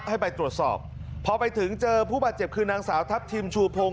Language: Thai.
ให้ไปตรวจสอบพอไปถึงเจอผู้บาดเจ็บคือนางสาวทัพทิมชูพงศ